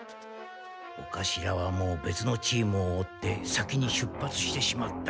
お頭はもう別のチームを追って先に出発してしまった。